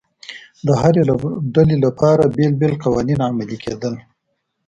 د هرې ډلې لپاره بېلابېل قوانین عملي کېدل